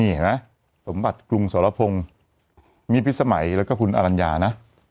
นี่เห็นไหมสมบัติกรุงสรพงศ์มีพิษสมัยแล้วก็คุณอรัญญานะ